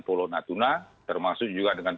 pulau natuna termasuk juga dengan